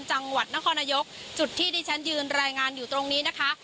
จังหวัดนครนายกจุดที่ที่ฉันยืนรายงานอยู่ตรงนี้นะคะ